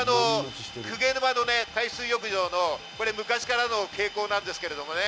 鵠沼の海水浴場の昔からの傾向なんですけどね。